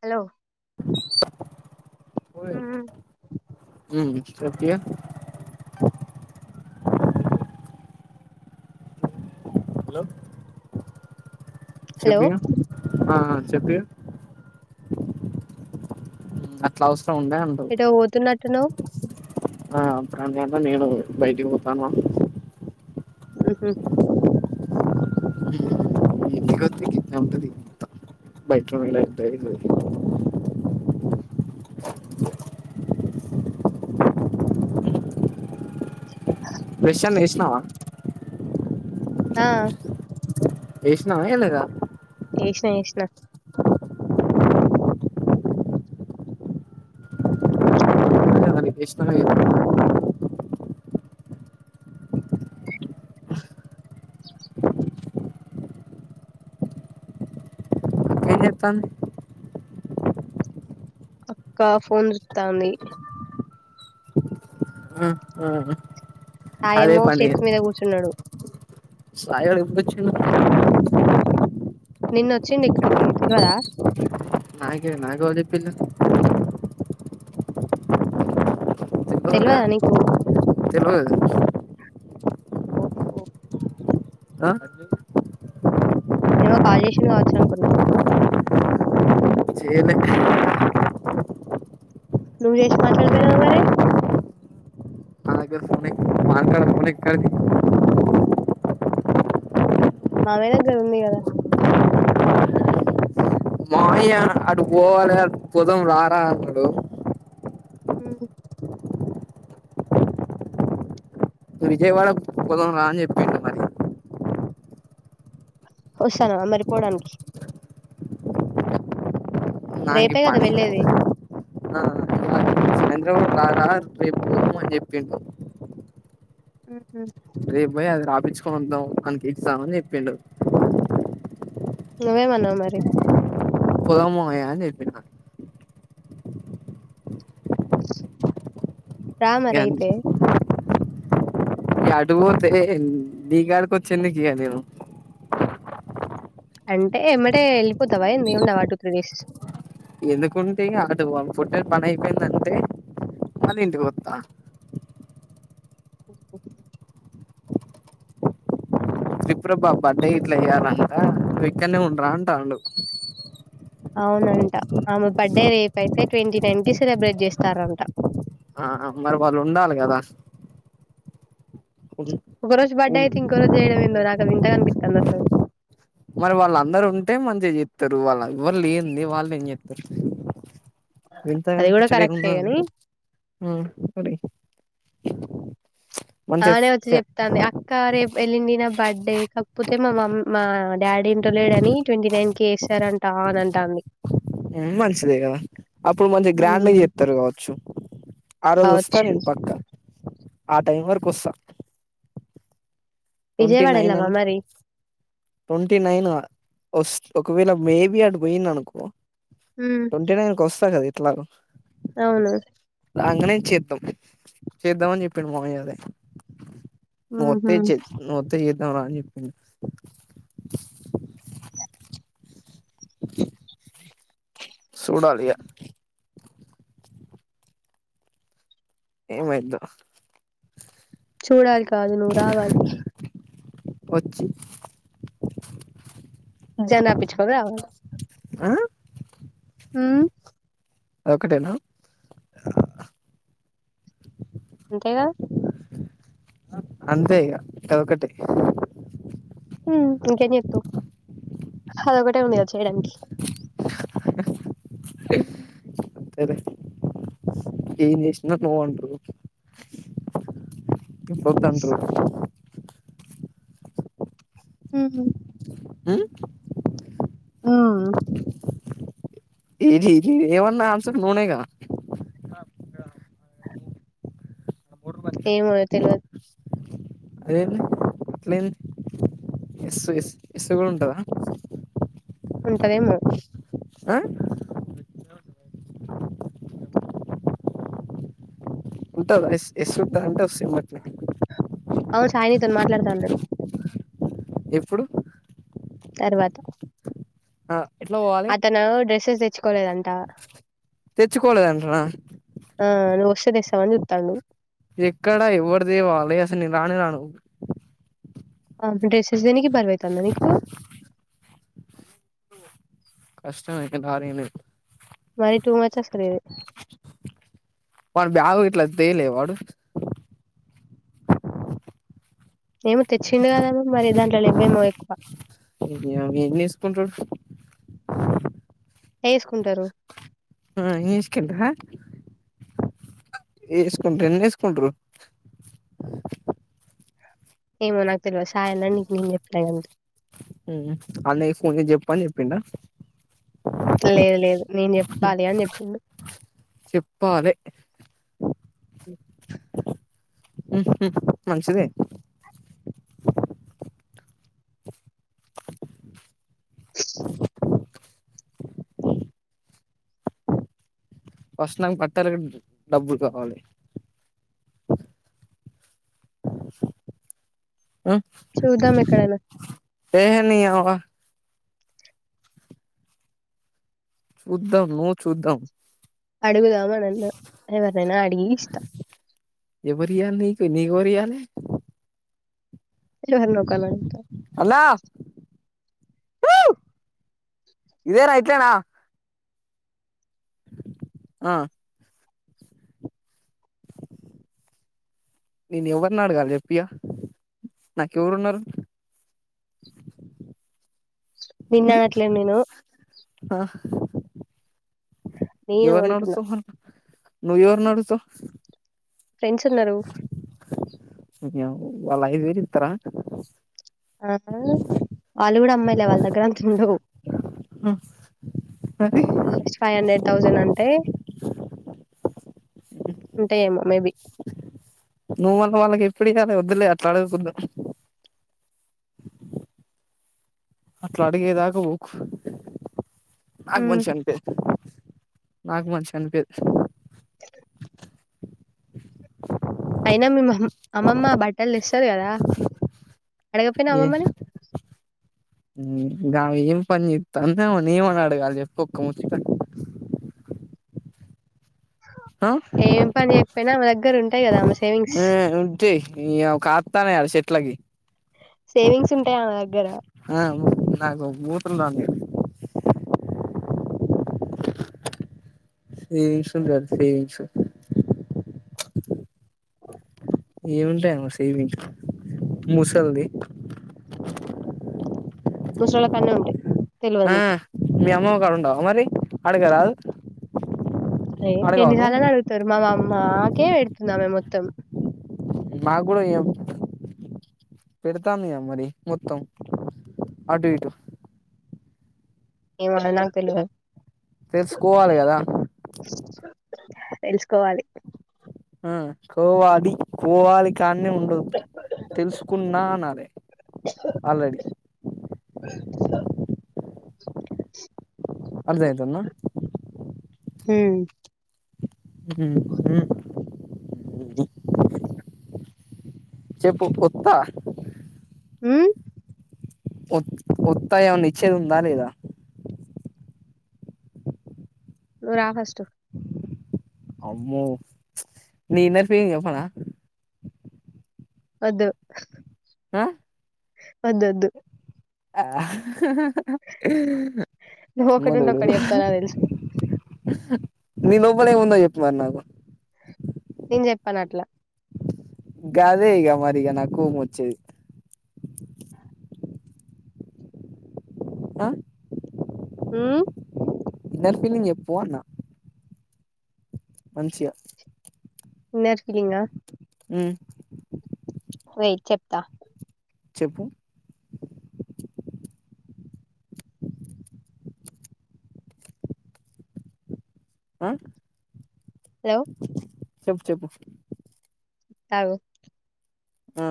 Hello ఉమ్, మ్ గట్టిగా చెపు హలో హలో చెప్పిగా అట్ల అవ్ [unintelligible] టున్నవ్ ఆ [inaudible] అన్న నేను బయటికి పోతానామ్ హ్ మ్ [unintelligible] బ్రెష్ అన్న చేసినవ ఆ ఎసినవా ఏయలేదా? ఏసిన ఏసిన [unintelligible] [unintelligible] అక్క ఫోన్ చూత్తంది అహ్ అహ్ సాయేమో స్టెప్స్ మీద కూర్చున్నడు. సాయి గాడు ఎప్పుడొచ్చిండు? నిన్న ఒచ్చిండి నాకే నాకేవలు చెప్పిన్లు తెల్వదుగా తెల్వదా నీకు తెల్వదు ఓహో అ ఏమో కాల్ చేసిండు కావచ్ అనుకున్న. చేయలే నువు చేసి మాట్లాడకపోయినవ్ మరీ నా దగ్గర ఫోన్ ఎక్ మాట్లాడ ఫోన్ ఎక్కడ్ది మామయ్య దగ్గర ఉంది కదా మామయ్య అటు పోవాలె అటు పోదాం రారా అన్నడు. మ్ విజయవాడకు పోదాంరా అని చెప్పిండు మరి వస్తానవా మరి పోడానికి నాకీ రేపే కదా పనీ వెళ్ళేది చంద్ర [unintelligible] అని చెప్పిండు ఉహు, రేప్ పోయి అది రాపిచుకొనొదం ఆనికి ఎగ్జామ్ అని చెప్పిండు. నువ్వేమన్నవ్ మరి పోదాం మామయ్య అని చెప్పిన రా ఇగ మరైతే అటు పోతే నీకాడక ఒచ్చి ఎందుకు ఇగ నేను అంటే ఎమ్మటే వెళ్ళిపోతావా ఎంది ఉండవా టూ త్రీ డేస్ ఎందుకుంటే ఆటు పుట్ట పని అయిపోయిందంటే మళ్ళ ఇంటికిఒత్త విప్రోవ్ బావ బర్త్డే గిట్ల చేయాలంట నువు ఇక్కడే ఉండు రా అంటుండు అవునంట ఆమె బర్త్డే రేపు అయితే ట్వంటీ నైన్ కి సెలబ్రేట్ చేస్తారంట ఆ మరి వాలు ఉండాలి కదా ఒక రోజు బర్త్డే ఐతే ఇంకోరోజు చేయడం ఏంటో నాకు వింతగా అన్పి కనా సరే మరి వాళ్ళందరు ఉంటే మంచిగా చెస్తారు వాళ్ళ ఎవరు లేంది వాళ్ళు ఏం చెత్తరు అది వింతగాని కూడా పిచ్చడి కరెక్టే గాని [unintelligible] అనే వచ్చి చెప్తాంది అక్క రేపు వెళ్ళుండి నా బర్త్డే క కాకపోతే మా మమ్ మా డాడీ ఇంటో లేడని ట్వంటీ నైన్ కి వేస్తారంటా అని అంటాంది మంచిదే కదా అప్పుడు మంచిగా గ్రాండ్గా ఉమ్ చెప్తారు కావచ్చు ఆ రోజు వస్తా కావచ్చు నేను పక్క ఆ టైం వరకు వస్తా ట్వంటీ విజయవాడ నైన్ వెళ్ళావా అంటే మరి ట్వంటీ నైన్ వ ఒకవేళ మేబి అటు పోయింది అనుకో ఉమ్ ట్వంటీ నైన్ కోస్ కద ఇట్లా అవును అంగనేం చేద్దాం చేద్దామ అని చెప్పిడు మామ అదే నువ్ వతే ఉహు చె నువ్ [unintelligible] చెప్ప చూడాల ఇగ ఏమైదో చూడాలి కాదు నువ్వు రావాలి వచ్చి ఎగ్జామ్ రాపిచ్చుకొని ఆ అ అద ఒకటేనా అంతేగా అంతే ఇక ఒకటి ఉ ఇంకేం చేస్తావ్ అదొ ఒకటే ఉంది గా చేయడానికి అంతేలే ఎం చేసిన ని అనరు [unintelligible] ఉ మ్ మ్ ఇలీ ఇలీ ఏమన్నా అన్స నూనేగా ఏమో తెలవదు అదేంది అట్లని ఎస్స్ ఎస్ గుడా ఉంటదా ఉంటదేమో ఆ ఉంటంది ఎస్ ఉంటందింటే సిమట్ అవును సాయినితో మాట్లాడుతాన్నడు ఎప్పుడు తర్వాత ఆ ఎట్లా పోవాలి అతను డ్రెస్సెస్ తెచ్ కులేదంటా తెచ్చుకోలేదంటనా ఆ నువ్వొస్తే తీస్తావ్ అని చూతాన్డు ఎక్కడా ఎవరిది వాళ్ళది అసలు నే రానే రాను ఆమె డ్రెస్సెస్ దేనికి బరువైతందా నీకు కష్టం ఎవరికి రాణిలేవ్ మరీ టూ మచ్ అసలిది వాని బ్యాగు ఇట్ల తేలే వాడు ఏమో తెచ్చిండ కదమ్ మరి దాంట్లో లెవ్వేమో ఎక్కువ ఇ ఎంచేస్కుంటడు వేసుకుంటారు ఆ ఇసుకుంట వేసుకుంటారు ఎన్ని ఎస్కుంటరు ఏమో నాకు తెల్వదు సాయన్న నీకు నేను చెప్తా ఎంత హమ్ వాని దగ్గర ఫోన్ చేసి చెప్పు అని చెప్పిండ లేదు లేదు నేను చెప్పాలి అని చెప్పిండు చెప్పాలే ఉ హ్మ్మ్ మంచిదే వస్తున్నను పట్టాలకి డబ్బులు కావాలి [inaudible] శివదాం ఎక్కడనా ఏ నీ యవ్వ చూద్దాం నువ్వు చూద్దాం అడుగుదాం అని అన్నా ఎవరినైనా అడిగి ఇస్తా ఎవరీయాలి నీకు, నీకు ఎవరీయాలె ఎవరి నూకాలంట వావ్ ఇదే నా ఇట్లే నా అ [inaudible] నేను ఎవరిని అడగాలి చెప్పిగ, నాకెవరున్నారు నిన్ను హమ్ అనట్లేదు నేను ఆ నేను అంటున్నా ఎవర్నస్తావ్, నువ్వు ఎవరిని అరుస్తావ్ ఫ్రెండ్స్ ఉన్నారు [unintelligible] వాళ్ళ ఐదు వేలు ఇతారా ఆ, వాళ్ళు కూడా అమ్మాయిలు వాళ్ళ దగ్గర అంత ఉండవు. మరి ఫైవ్ హండ్రెడ్ థౌజండ్ అంటే, ఉంటాయి ఏమో మేబి నువ్వు మల్ళ వాళ్ళకి ఎప్పుడు ఇయ్యాలి, వద్దులే అడగకూడదు అట్లా అడిగేదాకా [unintelligible] నాకు మంచిగా అనిపియదు నాకు మంచి అనిపియ్యదు [inaudible] అయినా మేం అమ్మమ్మ బట్టలు తెస్తాం [unintelligible] కదా అడగపోయినావా అమ్మమ్మని ఇగ ఏం పని చెస్తా అమని ఏమని అడగాలి చెప్పి ఒక్క ముచ్చ ఏం పని చేయకపోయినా ఆమె దగ్గర ఉంటాయి కదా ఆమె సేవింగ్స్ [unintelligible] ఎట్లాగే సేవింగ్స్ ఉంటాయి అమ్మే దగ్గర ఆ నాకు ముతుండాలి సేవింగ్స్ [unintelligible] సేవింగ్స్ ఏముంటాయమ్మ సేవిట్ ముూసల్ది ముసళ్ళల కన్నా ఉంటాయి తెలియదు ఆ నీకు [unintelligible] మరి అడగ రాదు అరే ఎన్నిసాలలు అడుగుతారు మా మామ మేక్ పెడుతుంది అమ్మే మొత్తం నాకు కూడా ఏం పెడతాను మరి మొత్తం అటు ఇటు [unintelligible] నాకు తెలవధ్ తెలుసుకోవాలి కదా తెలుసుకోవాలి కోవాలో కోవాలి [unintelligible] తెలుసుకున్నా అనలే ఆల్రెడీ స [inaudible] అర్ధ అయ్యిందా హ్మ్ మ్మ్ [inaudible] [inaudible] చెప్పు కొత్త మ్మ్ వత్తాయి ఏమ ఇచ్చేది ఉందా లేదా ఆగస్టు అమ్మో [unintelligible] చెప్పనా వద్దు ఆ వద్దద్దు ఆ నువ్వు ఒకటింటే ఒకటి చెప్తావ్ నాకు తెలుసు మీ లోపల ఏముందో చెప్పుమరి న్నాకు నేను చెప్పాను అట్లా గదే ఇక మరిక నాకు కోపం వోచ్చేది హా హు ఇన్నర్ చెప్పు అన్న మంచి గా ఇన్నర్ ఫీలింగ హ్ వెయిట్ చెప్తా చెప్పు ఆ హలో చెప్పు చెప్పు చెప్తా అగు ఆ